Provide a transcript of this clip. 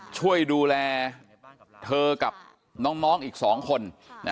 ช่วยดูแลเธอกับน้องอีก๒คน